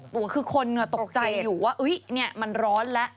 ๖ตัวคือคนตกใจอยู่ว่าอุ๊ยนี่มันร้อนแล้ว